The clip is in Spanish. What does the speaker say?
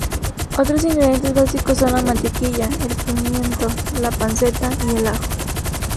Otros ingredientes básicos son la mantequilla, el pimiento, la panceta y el ajo.